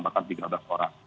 bahkan tiga belas orang